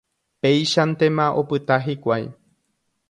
Péichantema opyta hikuái.